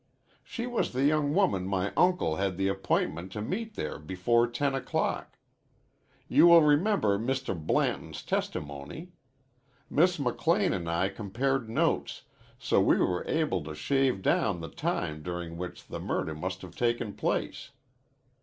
She was the young woman my uncle had the appointment to meet there before ten o'clock. You will remember Mr. Blanton's testimony. Miss McLean an' I compared notes, so we were able to shave down the time during which the murder must have taken place.